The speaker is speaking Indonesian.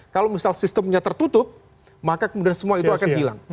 kalau misal sistemnya tertutup maka kemudian semua itu akan hilang